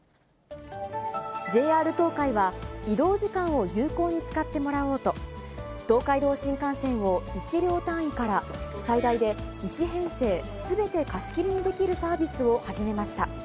ＪＲ東海は、移動時間を有効に使ってもらおうと、東海道新幹線を１両単位から、最大で１編成すべて貸し切りにできるサービスを始めました。